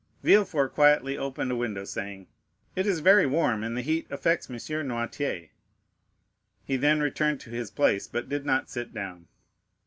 Villefort quietly opened a window, saying, "It is very warm, and the heat affects M. Noirtier." He then returned to his place, but did not sit down.